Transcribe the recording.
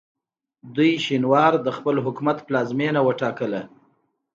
دوی شینوار د خپل حکومت پلازمینه وټاکه.